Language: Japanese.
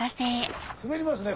滑りますね